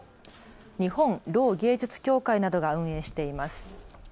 日本ろう芸術協会などが運営しています。